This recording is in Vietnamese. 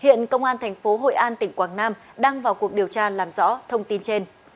hiện công an thành phố hội an tỉnh quảng nam đang vào cuộc điều tra làm rõ thông tin trên